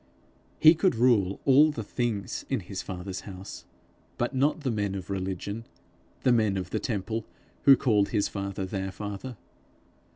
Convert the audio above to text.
He could rule all the things in his father's house, but not the men of religion, the men of the temple, who called his father their Father.